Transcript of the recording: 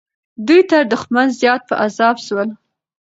دوی تر دښمن زیات په عذاب سول.